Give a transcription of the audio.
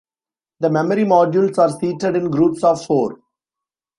The memory modules are seated in groups of four.